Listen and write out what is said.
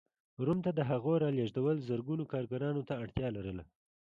روم ته د هغو رالېږدول زرګونو کارګرانو ته اړتیا لرله.